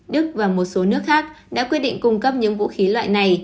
đức và một số nước khác đã quyết định cung cấp những vũ khí loại này